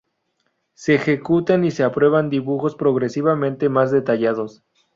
Se ejecutan y se aprueban dibujos progresivamente más detallados.